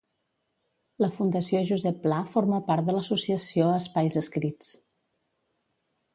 La Fundació Josep Pla forma part de l'associació Espais Escrits.